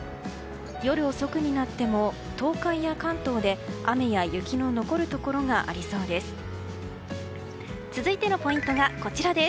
夜遅くになっても東海や関東で雨や雪の残るところがありそうです。